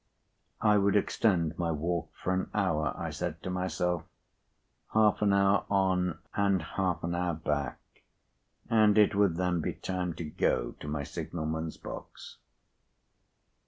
I would extend my walk for an hour, I said to myself, half an hour on and half an hour back, and it would then be time to go to my signal man's box.